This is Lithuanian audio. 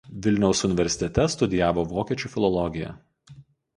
Vilniaus universitete studijavo vokiečių filologiją.